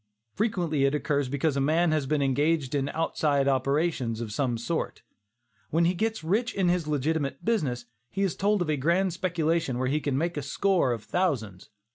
Frequently it occurs because a man has been engaged in "outside operations," of some sort. When he gets rich in his legitimate business, he is told of a grand speculation where he can make a score of thousands.